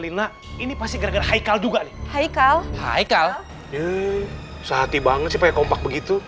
lina ini pasti gara gara haikal juga nih hai hai hai hai hai hai hai hai hati banget sih pakai kompak